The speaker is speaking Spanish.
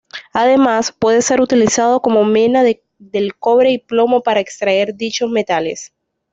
Además puede ser utilizado como mena del cobre y plomo para extraer dichos metales.